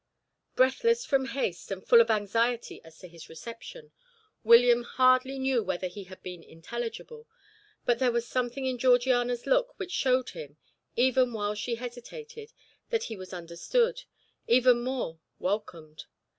Breathless from haste, and full of anxiety as to his reception, William hardly knew whether he had been intelligible, but there was something in Georgiana's look which showed him, even while she hesitated, that he was understood even more welcomed.